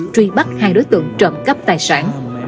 truy bắt hai đối tượng trộm cắp tài sản